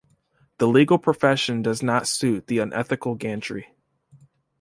The legal profession does not suit the unethical Gantry.